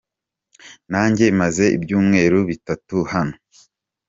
Nanjye maze ibyumweru bitatu hano.